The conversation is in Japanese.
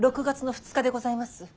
６月の２日でございます。